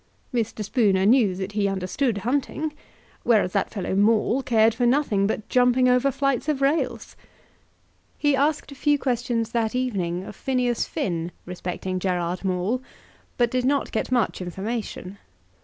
Mr. Spooner knew that he understood hunting, whereas that fellow Maule cared for nothing but jumping over flights of rails. He asked a few questions that evening of Phineas Finn respecting Gerard Maule, but did not get much information.